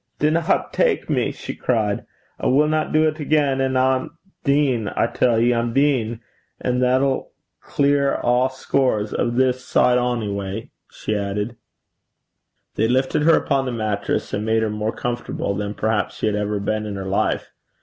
'Dinna tak me,' she cried. 'I winna do 't again, an' I'm deein', I tell ye I'm deein', and that'll clear a' scores o' this side ony gait,' she added. They lifted her upon the mattress, and made her more comfortable than perhaps she had ever been in her life.